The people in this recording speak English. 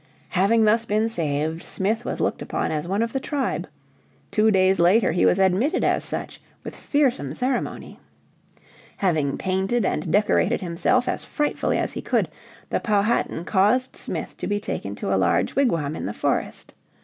Having thus been saved, Smith was looked upon as one of the tribe. Two days later he was admitted as such with fearsome ceremony. Having painted and decorated himself as frightfully as he could, the Powhatan caused Smith to be taken to a large wigwam in the forest.